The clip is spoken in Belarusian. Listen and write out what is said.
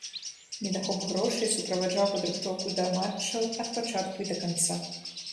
Недахоп грошай суправаджаў падрыхтоўку да матчаў ад пачатку і да канца.